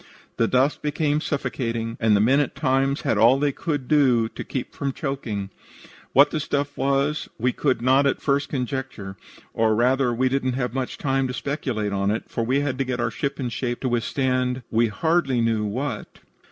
The dust became suffocating, and the men at times had all they could do to keep from choking. What the stuff was we could not at first conjecture, or rather, we didn't have much time to speculate on it, for we had to get our ship in shape to withstand we hardly knew what.